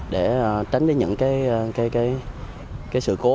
để tránh những cái cái cái cái sự cố